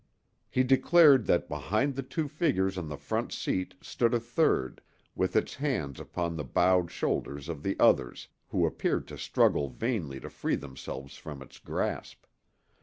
He declared that behind the two figures on the front seat stood a third, with its hands upon the bowed shoulders of the others, who appeared to struggle vainly to free themselves from its grasp.